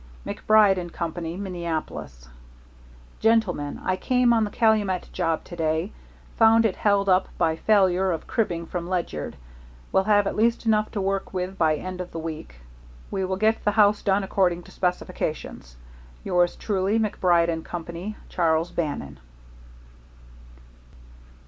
MACBRIDE & COMPANY, Minneapolis: Gentlemen: I came on the Calumet job to day. Found it held up by failure of cribbing from Ledyard. Will have at least enough to work with by end of the week. We will get the house done according to specifications. Yours truly, MACBRIDE & COMPANY. CHARLES BANNON.